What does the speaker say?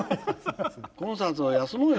コンサートは休もうよ。